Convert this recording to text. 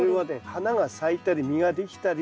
花が咲いたり実ができたりする。